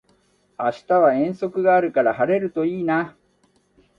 明日は遠足があるから晴れるといいな